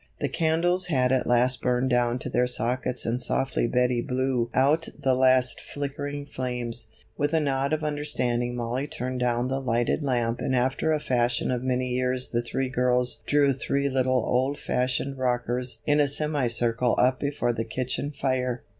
The candles had at last burned down to their sockets and softly Betty blew out the last flickering flames. With a nod of understanding Mollie turned down the lighted lamp and after a fashion of many years the three girls drew three little old fashioned rockers in a semicircle up before the kitchen fire.